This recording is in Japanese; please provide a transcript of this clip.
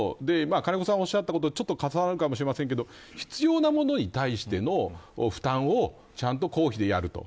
金子さんがおっしゃったのと重なるかもしれませんけど必要なものに対しての負担はちゃんと公費でやると。